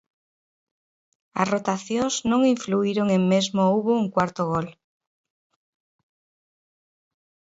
As rotacións non influíron e mesmo houbo un cuarto gol.